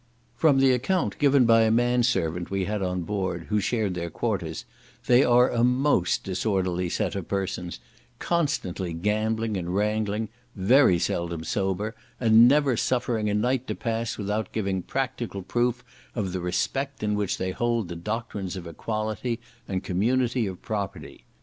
From the account given by a man servant we had on board, who shared their quarters, they are a most disorderly set of persons, constantly gambling and wrangling, very seldom sober, and never suffering a night to pass without giving practical proof of the respect in which they hold the doctrines of equality, and community of property.